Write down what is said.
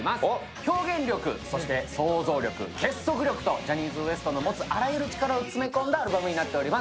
表現力、そして創造力、結束力と、ジャニーズＷＥＳＴの持つあらゆる力を詰め込んだものになっています。